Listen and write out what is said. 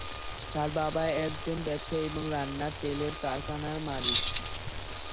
তার বাবা একজন ব্যবসায়ী এবং রান্নার তেলের কারখানার মালিক।